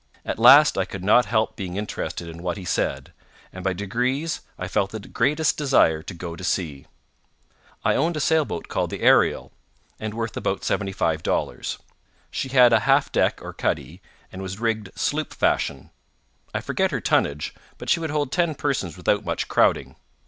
At last I could not help being interested in what he said, and by degrees I felt the greatest desire to go to sea. I owned a sailboat called the Ariel, and worth about seventy five dollars. She had a half deck or cuddy, and was rigged sloop fashion—I forget her tonnage, but she would hold ten persons without much crowding.